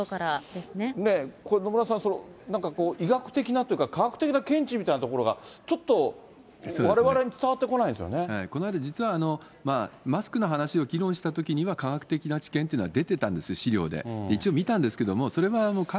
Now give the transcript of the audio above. これ、野村さん、なんかこう、医学的なというか、科学的な見地みたいなところが、ちょっと、われわれに伝わってここの間、実は、マスクの話を議論したときには科学的なちけんというのは出てたんですよ、資料で。